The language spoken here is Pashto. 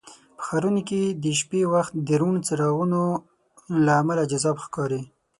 په ښارونو کې د شپې وخت د روڼ څراغونو له امله جذاب ښکاري.